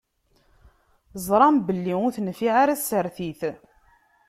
Ẓṛan belli ur tenfiɛ ara tsertit.